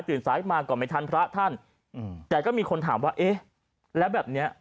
ซ้ายมาก็ไม่ทันพระท่านอืมแต่ก็มีคนถามว่าเอ๊ะแล้วแบบเนี้ย